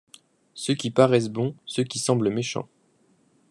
Ceux qui paraissent bons, ceux qui semblent méchants